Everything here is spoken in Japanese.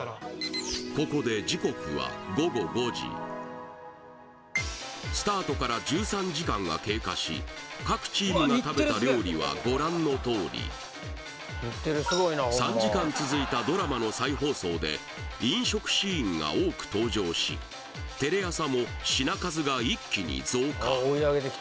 ここで時刻はスタートから１３時間が経過し各チームが食べた料理はご覧のとおり３時間続いたドラマの再放送で飲食シーンが多く登場しテレ朝も品数が一気に増加